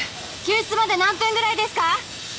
救出まで何分ぐらいですか？